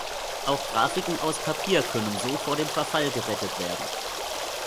Auch Graphiken aus Papier können so vor dem Verfall gerettet werden.